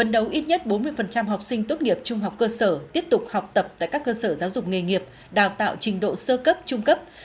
ít nhất bốn mươi học sinh tốt nghiệp trung học cơ sở tiếp tục học tập tại các cơ sở giáo dục nghề nghiệp đào tạo trình độ sơ cấp trung cấp